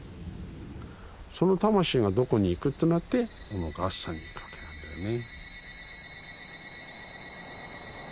その魂がどこに行くとなってこの月山に行くわけなんだよね。